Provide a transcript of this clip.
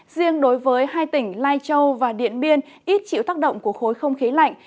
riêng đối với hai tỉnh lai châu và điện biên ít chịu tác động của khối không khí lạnh